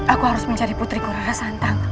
aku harus mencari putri kurara santang